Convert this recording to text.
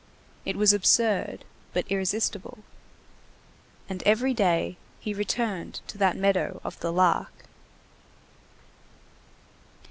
It was absurd, but irresistible. And every day he returned to that meadow of the Lark.